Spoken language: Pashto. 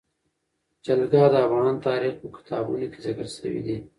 جلګه د افغان تاریخ په کتابونو کې ذکر شوی دي.